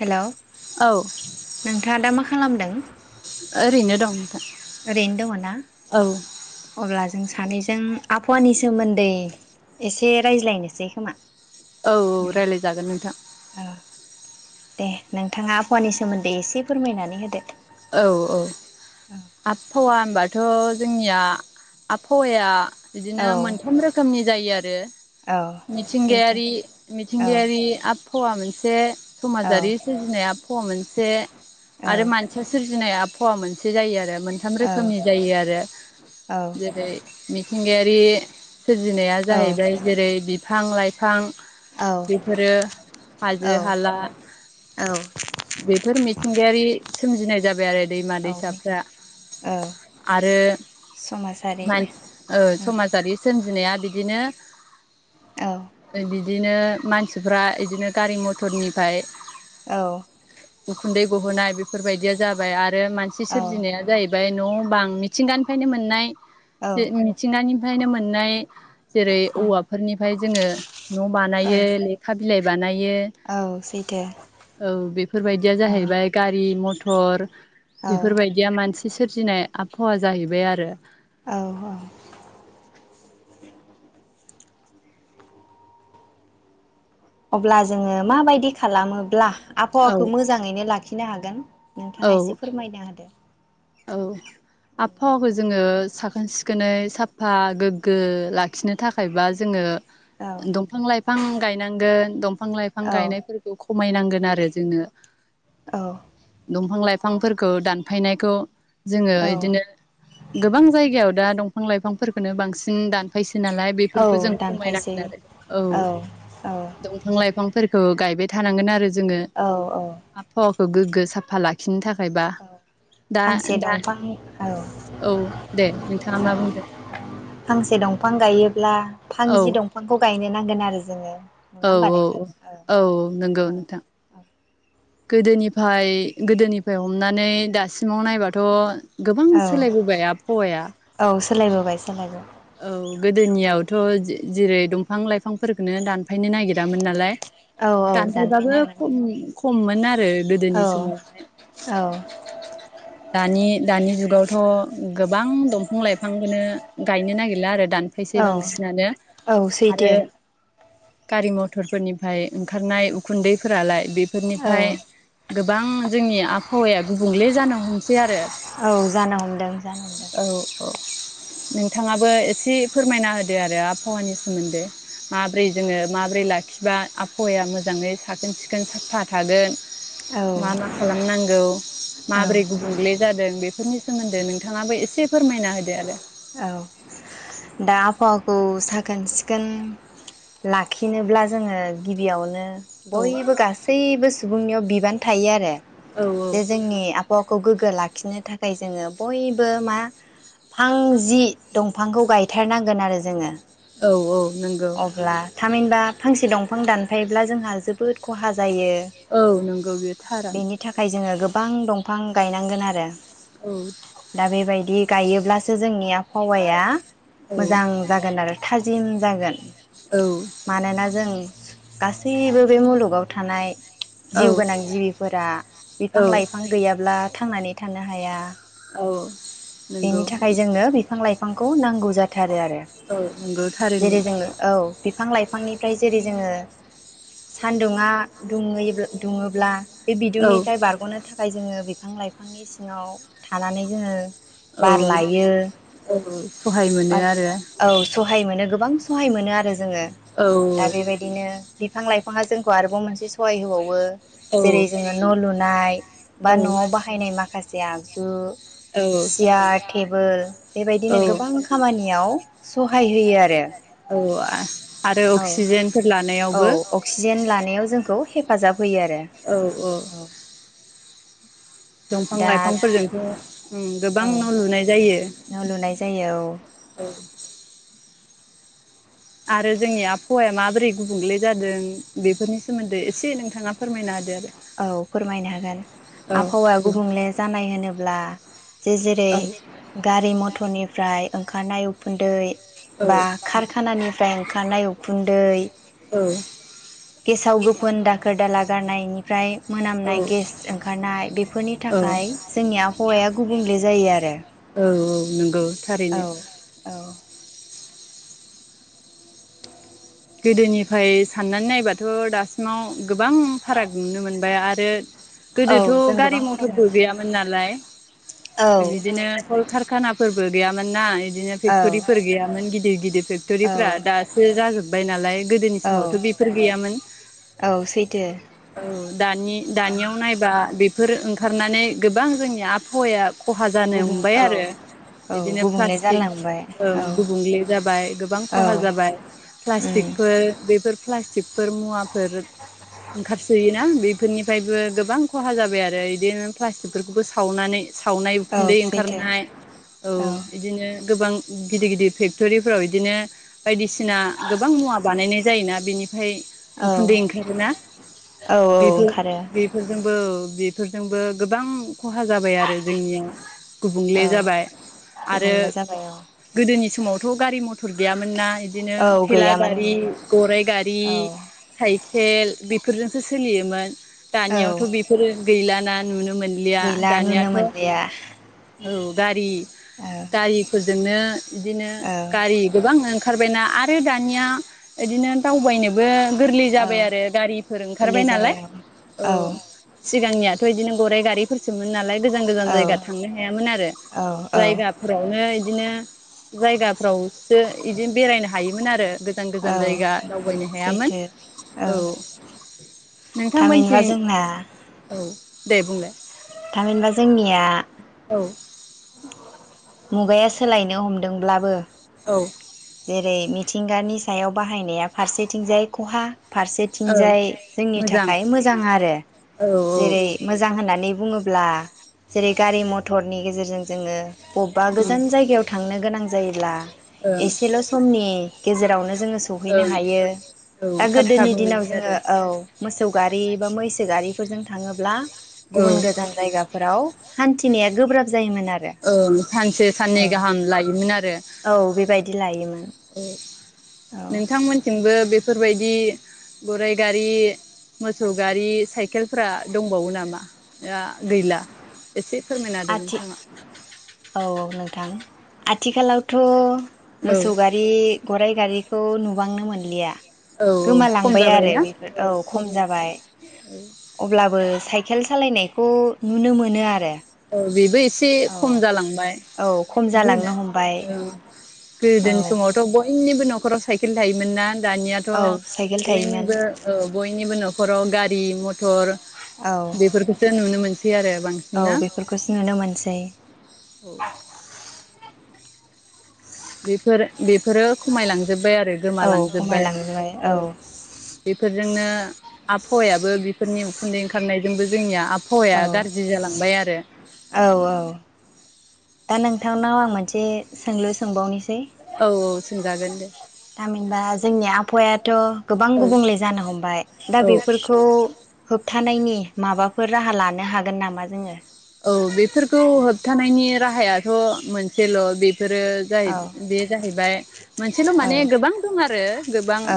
Hello. औ नोंथांङा दा माखा खालामदों? ओरैनो दं। ओरैनो दङ ना औ औ अब्ला जों सानैजों आबहावानि सोमोन्दै एसे रायज्लायनोसै खोमा। औ रायलायजागोन नोंथां। औ दे नोंथांङा आबहावानि सोमोन्दै एसे फोरमायनानै होदो। औ औ आबहावा होनबाथ जोंनिया आबहावाया बिदिनो औ मोनथाम रोखोमनि जायो आरो औ सैथो मिथिंगायारि औ मिथिंगायारि आब फवा मोनसे औ समाजारि सोरजिनाया ख मोनसे औ। फुजिनाया फवा मोनसे जायो आरो मोनथाम औ रोखोमनि जायो आरो औ जेरै मिथिं गायारि सोरजिनाया औ जाहैबाय जेरै बि बिफां लाइफां औ बेफोरो हाजो हाला औ बेफोर मिथिंगायारि सोमजिनाय जाबाय आरो दैमा औ दैसाफ्रा औ आरो समाजारि मान ओ औ समाजारि सोमजिनाया बिदिनो औ [unintelligible] इदिनो मानसिफ्रा इदिनो गारि मथरनिफ्राय औ गुन्दै गहोनाय बेफोरबायदिया जाबाय आद आरो मानसि औ सोरजिनाया जाहैबाय ओमफ्राय न बांं मिथिंगानिफ्रायनो मोननाय औ मिथि-मिथिंगानि ओमफ्रायनो मोननाय जेरै औवाफोरनिफ्राय जोङो न बानायो लेखा बिलाइ बानाय इयो औ सैथो औ बेफोरबायदिया औ जाहैबाय गाय रि मथर औ बेफोरबायदिया मानसि बि सोरजिनाय आबहावा जाहैबाय आरो। औ औ अब्ला जोंङो माबायदि खालामोब्ला औ आबहावाखौ मोजांङैनो लाखि खिनो हागोन नोंथाङा औ एसे फोरमायना होदो औ आबहावाखौ जोंङो साखोन सिखोनै साफा गोग्गो लाखिनो थाखायबा जोंङो औ दंफां लाइफां गाय नांगोन दंफ फां लाइफां गायनायफोरखौ खम खमायनांगोन आरो जोंङो औ दंफां लाइफांफोरखौ दानफायनायखौ जोंङो औ इदिनो गोबां जायगायाव दा दं फां लाइफांफोरखोनो बांसिन दानफायसो नालाय बेफोरखौ औ जों दानफायसै खमायनांगोन आरो औ औ दफां लाइफां फोरखौ गायबाय थानांगोन आरो जोंङो औ औ आफ खौ गोग्गो साफा लाखिनो थाख खायबा बा दा से दा दंफां औ औ दे नोंथाङा मा बुंदों फांसे दंफां गायोब्ला फां औ जि दंफांखौ गायनो नांगोन आरो यो जोंङो औ औ औ औ नंगौ औ नोंथां गोदोनिफाय गोदोनिफाय हमनानै दासिमाव नायबाथ गोबां औ सोलायबोबाय आबहावाया औ सोलायबोबाय सोलायबाय औ गोदोनियावथ जे-जेरै दंफां लाइफांफोरखौननो दान फायनो नागिरामोन नालाय औ औ दानफायबाबो दानफायनांगोन खम खम मोन आरो गोदोनि औ समावहाय औ दानि-दानि जु औ थ गोबां दंफां लाइफांखौनो गायनो नागिरला आरो। दानफायसै औ बांसिनानो औ आरो सैथो गारि मथरफोरनिफ्राय ओंखारनाय उखुन्दैफोरालाय बे फोरनिफ्राय औ गोबां जोंनि आबहावाया गुबुंले जानो आरो औ जानो हमदों जानो हमदों। [inaudible] थाङाबो एसे फोरमायना होदो आरो आबहावानि सोमोन्दै माब्रै जोङो माब्रै लाखिबा आबहावाया मोजाङै साखोन सिखोन साफा थागोन? मा मा औ खालामनांगौ औ माबोरै गुबुंले जादों? बेफोरनि सोमोन्दै नोंथाङाबो एसे फोरमायना होदो आरो। औ दा आबहावा खौ साखोन सिखोन लाखिनोब्ला जोङो गिबियावनो औ बयबो गासैबो सुबुंनियाव बिबान थायो आरो। औ औ जे जोंनि आबहावाखौ गोग्गो लाखि खिनो थाखाय जोङो बयबो मा फां जि दंफांखौ गायथारनांगोन आरो जोङो। औ औ नंगौ। अब्ला थामहिनबा फांसे दंफां दानफायोब्ला जोंहा जोबोद खहा जा औ नंगौ बे थारानो। बेनि थाखाय जोङो गोबां दंफां गायनांगोन आरो। औ दा बेबाय बि गायोब्लासो जोंनिया हवाया औ मोजां जागोन आरो थाजि जिम जागोन। औ मानोना जों गासैबो बे मुलुगाव थानाय औ जिउ गोनां जिबिफोरा बिफां औ लाइफां गैयाब्ला थांनानै थानो हाया। औ। नंगौ बेनि थाखाय जोंनो बिफां लाइफां खौ नांगौ जाथारो आरो। औ नंगौ थारैनो जेरै जोङो औ। बिफां लाइफांनिफ्राय जेरै जोङो सानदुङा दुंओयोब्ला दुङोब्ला बे औ बिदुंनिफ्राय बारगनो थाखाय जोङो बे फां लाइफांनि सिङाव थानानै जोङो औ बार लायो औ सहाय मोनो आरो औ सहाय मोनो गोबां सहाय मोनो आरो जोङो औ दा बेबायदिनो बिफां लाइफाङा जोंखौ आरोबाव मोनसे सहाय होबावो औ जेरै जोङो न लुनाय बा औ नआव बाहायनाय माखासे जे आगजु सियार टेबोल औ बेबायदिनो गोबां खामानियाव सहाय होयो आरो [inaudible] औ अक्सिजेनफोर औ लानायावबो अक्सिजेन लानायाव जोंखौ हे फाजाब होयो आरो औ दंफां दा लाइफांफोरजोंथ उम गोबां औ न लुनाय जायो न' लुनाय जायो औ औ। आरो जोंनि आबहावाया माबोरै गुबुंले जादों बेफोरनि सोमोन्दै एसे नोंथाङा फोरमायना होदो आरो‌ औ फोरमायनो हागोन आबहावाया गुबुंले जानाय होनो ब्ला जे जेरै औ औ गारि मथरनिफ्राय खारनाय उखुन्दै बा खारखानानिफ्राय ओंखारनाय उ खुन्दै गेसाव गोफोन दाखोर दाला गारनायनि फ्राय गारि मथरनिफ्राय ओंखारनाय उखुन्दै औ मोनामनाय गेस ओंखारनाय बेफोरनि औ थाखाय जोंनि आबहावाया गुबुंले जायो आरो। नोंगौ औ औ गोदोनिफ्राय साननानै नायबाथ दासिमाव गोबां फाराग नुनो मोनबाय आरो औ गोदोथ जों गारि गोबां फाराग मथरबो नुनो गैयामोन मोनो नालाय औ बिदिनो कलकारखाना फोरबो गैयामोन ना इ दिनो फेक्टरिफोर औ गैयामोन गि [unintelligible] औ फेक्टरिफ्रा दासो जाजोब बाय नालाय गोदोनि औ समावथ बेफोर गैयामोन औ सैथो औ दानि दानियाव नायबा बे फोर ओंखारनानै गोबां जोंनि आबहावाया खहा जानो गुबुं हमबाय औ आरो औ बिदिनो गुबुंले प्लास्टिक जालांबाय ओं औ गुबुंले जाबाय गोबां खहा औ जाबाय। उम प्लास्टिकफोर बेफोर प्लास्टिक फोर मुवाफोर ओंखारसोयोना? बेफोरनिफ्रायबो गोबां खहा जाबाय आरो इदिनो प्लास्टिक फोरखौबो सावनानै सावनाय औ उखुन्दै सैथो ओंखारनाय औ इदिनो गोबां गिदिर गिदिर फेक्टरिफ्राव इदिनो बायदिसिना गोबां मुवा बानायनाय जायोना बिनि फाय औ उखुन्दै ओंखारगो ना औ बेफोर ओंखारो बेफोरजों बो बेफोरजोंबो गोबां खहा जाबाय आरो जोंनियाव गुबुंले औ जाबाय आरो गुबुंले जाबाय औ गोदोनि स समावथ गारि मथर गैयामोनना इदिनो औ थेला गैयामोन गारि, गैयामोन गराइ गारि, औ साइखेल बि फोरजोंसो सोलियोमोन । दानियावथ औ बेफोरो गैलाना नुनो म मोनलिया गैला नुनो दानियाथ मोनलिया औ गारि औ गायि फो जोंनो इदिनो औ गारि गोबां ओं खारबायना आ रो दानिया इदिनो दावबायनोबो गोरलै औ जाबाय आरो गारिफोर ओंखारबाय गोरलै नालाय जाबाय औ औ सिगांनियाथ इदिनो गराइ गारिफोरसोमोन नालाय गोजान गोजान औ जायगा थांनो हायामोन आरो औ औ जायगाफोरावनो इ दिनो जायगाफ्रावसो इदि बेरायनो हा हायोमोन आरो गोजान औ गोजान जायगा दावबायनो हायामोन सैथो औ थामहिनबा नोंथांमोनथिं जोंना औ दे बुंलाय थामहिनबा जोंनिया औ मुगाया सोलायनो हमदोंब्लाबो औ जेरै मि थिंगानि सायाव बाहायनाया फारसेथिंजाय खहा ओ फारसेथिंजाय जोंनि मोजां थाखाय मोजां आरो औ औ ओं जेरै मोजां होननानै बुङोब्ला जेरै गारि मथरनि गेजेरजों जोङो। बबबा ओं गोजान जायगायाव थांनो गोनां जायोब्ला एसेल समनि गेजेरावनो जोङो सौहैनो ओं हायो औ दा थाब थाब गोदोनि दिनाव मोनो आरो जोङो औ मोसौ गारि बा मैसो गारिफोरजों थाङोब्ला औ। गुबुन गोजान जायगाफोराव हान्थिनाया गोब्राब जायोमोन आरो ओं सानसे साननै औ गाहाम लायोमोन आरो औ। बेबायदि लायोमोन औ औ नोंथांमोनथिं नोंबो बेफोरबायदि गराइ गारि मोसौ गारि साइकेलफ्रा दंबावो नामा दा गैला एसे फोरमायना होदो आथि नोंथाङा। औ औ नोंथां आथिखालावथ। औ मोसौ गारि गराइ गारि खौ नुबांनो मोनलिया। औ खम गोमालांबाय आरो जाबायना बेफोर औ खम जाबाय अब्लाबो साइकेल सालायनाय। खौ नुनो मोनो आरो। औ बेबो एसे औ एसे खम जालांबाय औ खम जालांनो गोदान हमबाय औ औ गोदोनि समावथ बयनिबो नख नखराव साइकेल थायोमोन ना। दानियाथ औ साइकेल थायोमोन बयनिबो औ बयनिबो न [unintelligible] गारि म मटर औ बेफोरखौसो नुनो मोनो दि आरो बांसिन ना खौसो नुनो मोनसै औ बेफोर बेफोरो खमायलांजोब्बाय आरो औ गोमालांजोब्बाय खमायलांजोबाय औ बेफोरजोंनो आबहावायाबो बेफोरनि उखुन्दै ओंखारनायजोंबो जोंनिया आ हावाया औ गाज्रि जालांबाय आरो औ। दा नोंथांनाव आं मोनसे सोंलु सोंबावनि सै औ औ सोंजागोन दे थामहिनबा जोंनि आबहावायाथ गोबां औ गुबुंले जानो हमबाय दा औ बेफोरखौ होबथा थानायनि माबाफोर राहा लानो हागोन नामा जोंङो। औ बेफोरखौ होबथानायनि राहायाथ मोनसेल बे बेफोरो जाहै औ बे जाहैबाय मोनसेल माने गोबां दं आरो गोबां औ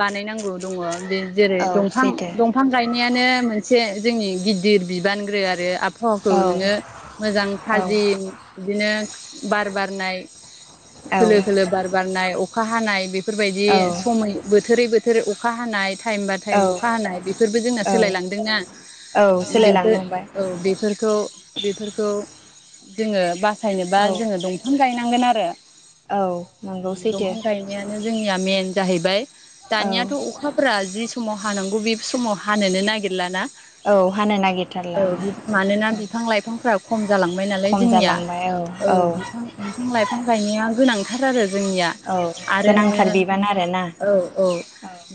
बानायनांगौ दङ बे जेरै औ दंफां सैथो दंफां गायनायानो मोनसे जोंनि गिदिर बिबानग्रो आरो आब हावाखौ औ नोंङो मोजां औ थाजिम बिदिनो बार बारनाय औ खोलो खोलो बार बारनाय अखा हानाय बे फोरबायदि औ समै बोथोरै बो थोर अखा हानाय टाइम बा टाइम औ अखा हानाय बेफोरबो जोंना औ सोलायलांदों ना औ बेफोर सोलायलांनो हमबाय औ बेफ बेफोरखौ जोङो बा फायनोबा औ जोङो दं गायनांगोन आरो। औ नंगौ सैथो। दंफां गायनायानो जोंनिया मेन जाहैबाय औ दानियाथ अखाफोरा जि समाव हानांगौ बे समाव हानोनो नागिरलाना । औ हानो नागिरथारला औ मानोना औ बिफां लाइफांफ्रा खम जालांबाय नालाय जोंनिया औ बिफां बिफां लाइफां गायनाया गोनांथार आरो जोंनिया औ आरो गोनांथार नोङो बिबान आरोना औ औ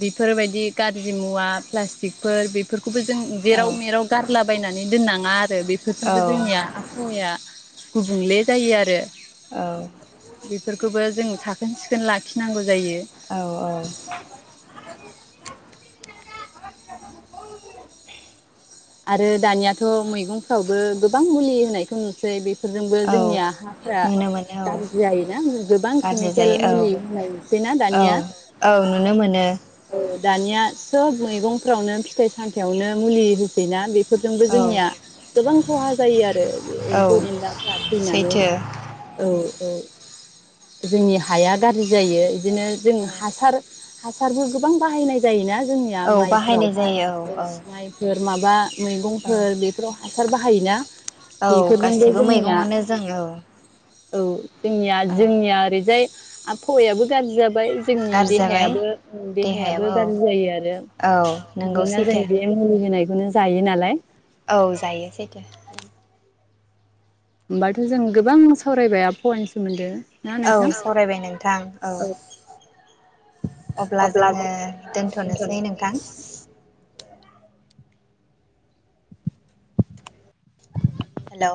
बेफोरबायदि गाज्रि मुवा प्लाटिकफोर बेफोर खौबो जों जेराव मेराव गारलाबायनानै होनङा आरो औ बेफोरजोंबो जोंनिया फोरा गुबुंले जायो आरो औ । बेफोरखौबो जों साखोन सिखोन लाखिनां औ औ आरो दानियाथ मैगंफ्रावबो गोबां मुलि होनायखौ नुसै बे फोरफोरजोंबो औ जोंनिया हाफोरा नुनो मोनो औ गाज्रि जायोना गोबां गाज्रि केमिकेल जायो मुलि होनायसै ना औ दानिया। औ नुनो मोनो दानिया सोब मैगंफ्रावनो फिथाइ सामथायावनो मुलि बिना फोरजोंबो औ जोंनिया गोबां खहा जायो आरो एम्फौ औ एनलाफोरा थैनानै सैथो औ औ। जोंनि हाया गाज्रि जायो । बिदिनो जों औ हासार हासारबो गोबां बाहायनाय जायोना? जोंनिया औ बाहायनाय माइफोरावहाय जायो औ औ माइफोर माबा? औ मैगंफोर बेफोराव हासार बाहायोना? औ बेफोरजोंबो गासिबो जोंनिया मैगङावनो जों औ । औ। जोंनिया जोंनिया ओरैजाय आबफावायाबो । गाज्रि जाबाय जोंनि गाज्रि जाबाय देहायाबो देहायाबो गाज्रि जायो आरो औ नोंगौ मानोना जों सैथो बे मुलि होनाय बेखौनो जायो नालाय। औ जायो सैथो। होमबाथ जों गोबां सावरायबाय आबहावानि सोमोन्दो। ना औ नोंथां सावरायबाय नोंथां औ। अब्ला जोङो दोन्थनोसै नोंथां। हेलौ।